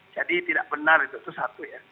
jadi tidak benar itu satu ya